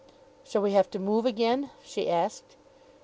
"Shall we have to move again?" she asked.